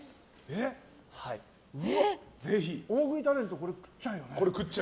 大食いタレントこれ食っちゃうよね。